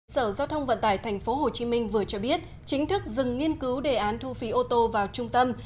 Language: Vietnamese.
sở giao thông vận tải tp hcm vừa cho biết chính thức dừng nghiên cứu đề án thu phí ô tô vào trung tâm